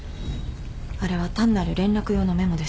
あれは単なる連絡用のメモです。